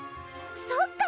そっか！